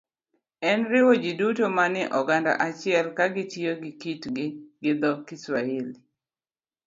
en riwo ji duto manie oganda achiel ka gitiyo gi kitgi gi dho - Kiswahili.